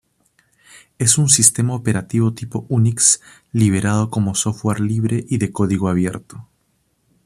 Es un sistema operativo tipo Unix liberado como software libre y de código abierto.